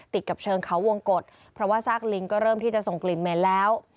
ติดกับเชิงเขาวงกฎเพราะว่าซากลิงก็เริ่มที่จะส่งกลิ่นเหม็นแล้ว